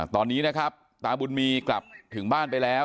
ตอนนี้นะครับตาบุญมีกลับถึงบ้านไปแล้ว